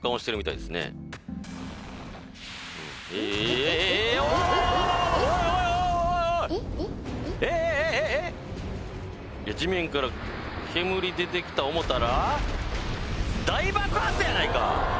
いや地面から煙出てきた思たら大爆発やないか！